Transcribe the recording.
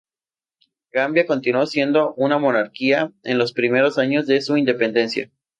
Gambia continuó siendo una monarquía en los primeros años de su independencia.